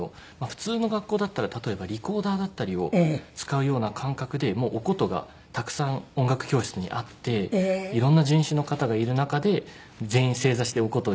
普通の学校だったら例えばリコーダーだったりを使うような感覚でもうお箏がたくさん音楽教室にあっていろんな人種の方がいる中で全員正座してお箏を弾くような授業がありまして。